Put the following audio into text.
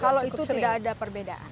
kalau itu tidak ada perbedaan